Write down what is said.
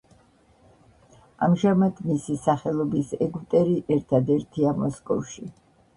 ამჟამად მისი სახელობის ეგვტერი ერთადერთია მოსკოვში.